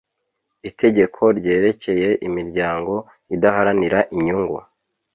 itegeko ryerekeye imiryango idaharanira inyungu